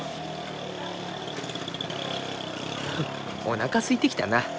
おなかすいてきたな。